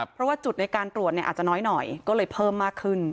เพราะว่าจุดในการตรวจเนี่ยอาจจะน้อยหน่อยก็เลยเพิ่มมากขึ้น